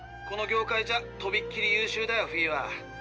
この業界じゃとびっきり優しゅうだよフィーは。